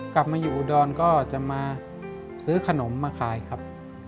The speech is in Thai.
กลับมาอยู่อุดรก็จะมาซื้อขนมมาขายครับ